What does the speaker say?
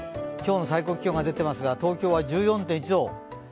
今日の最高気温が出てますが東京が１４．１度。